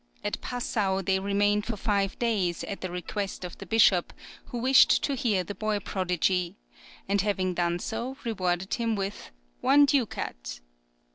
At Passau they remained for five days, at the request of the Bishop, who wished to hear the boy prodigy, and having done so, rewarded him with one ducat!